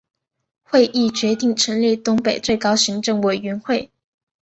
会议决定成立东北最高行政委员会。